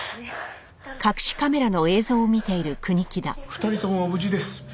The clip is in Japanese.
２人とも無事です。